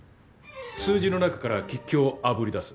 数字の中から吉凶をあぶり出す